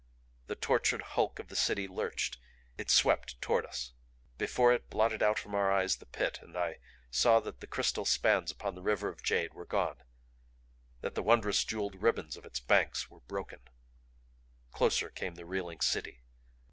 The tortured hulk of the City lurched; it swept toward us. Before it blotted out from our eyes the Pit I saw that the crystal spans upon the river of jade were gone; that the wondrous jeweled ribbons of its banks were broken. Closer came the reeling City.